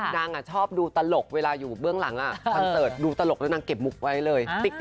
นางชอบดูตลกเวลาอยู่เบื้องหลังคอนเสิร์ตดูตลกแล้วนางเก็บมุกไว้เลย